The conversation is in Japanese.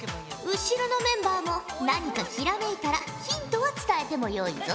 後ろのメンバーも何かひらめいたらヒントは伝えてもよいぞ。